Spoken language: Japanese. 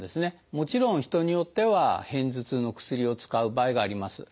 もちろん人によっては片頭痛の薬を使う場合があります。